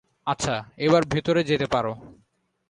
আচ্ছা, এবার ভেতরে যেতে পারো।